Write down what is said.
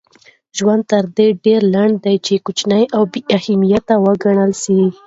ژوند تر دې ډېر لنډ دئ، چي کوچني او بې اهمیت وګڼل سئ.